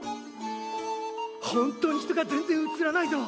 本当に人が全然写らないぞ！